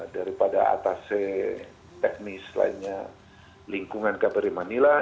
daripada atase teknis lainnya lingkungan kbri manila